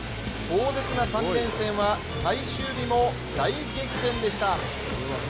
壮絶な３連戦は最終日も大激戦でした。